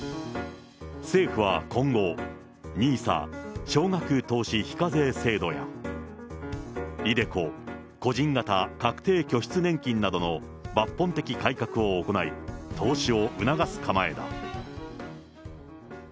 政府は今後、ＮＩＳＡ少額投資非課税制度やｉＤｅＣｏ個人型確定拠出年金などの抜本的改革を行い、投資を促す構えだ。